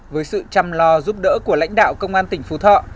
với sự chăm lo giúp đỡ của lãnh đạo công an tỉnh phú thọ